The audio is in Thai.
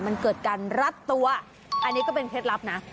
มันเกิดการรัดตัวอันนี้ก็เป็นเคล็ดลับนะ